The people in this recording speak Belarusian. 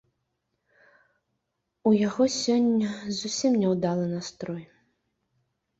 У яго сёння зусім няўдалы настрой.